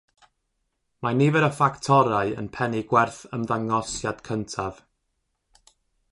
Mae nifer o ffactorau yn pennu gwerth ymddangosiad cyntaf.